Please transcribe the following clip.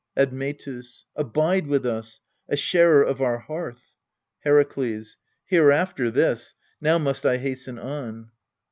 Admetus. Abide with us, a sharer of our hearth. Herakles. Hereafter this : now must I hasten on.